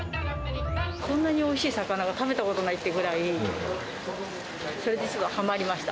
こんなにおいしい魚は食べたことないっていうぐらいそれでちょっとはまりました。